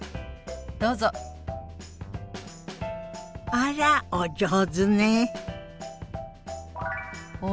あらお上手ね。